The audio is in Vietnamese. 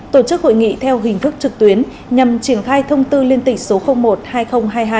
tổ chức hội nghị theo hình thức trực tuyến nhằm triển khai thông tư liên tịch số một hai nghìn hai mươi hai